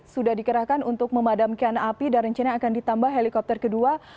sudah dikerahkan untuk memadamkan api dan rencana akan ditambah helikopter kedua